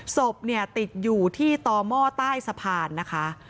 ศพเนี่ยติดอยู่ที่ต่อหม้อใต้สะพานนะคะ